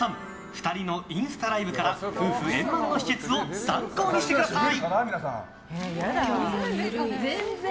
２人のインスタライブから夫婦円満の秘訣を参考にしてください。